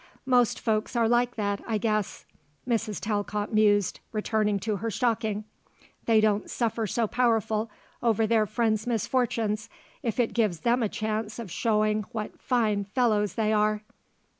Most folks are like that, I guess," Mrs. Talcott mused, returning to her stocking, "they don't suffer so powerful over their friends' misfortunes if it gives them a chance of showing what fine fellows they are."